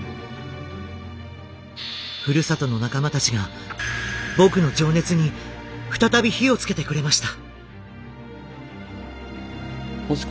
ふるさとの仲間たちが僕の情熱に再び火をつけてくれました。